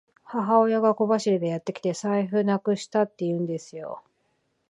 母親が小走りでやってきて、財布なくしたって言うんですよ。